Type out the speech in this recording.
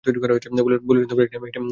বলিলেন, একটি ভালো মেয়ে সন্ধান করিতেছি।